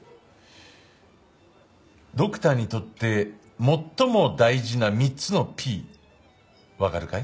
ドクターにとって最も大事な３つのＰわかるかい？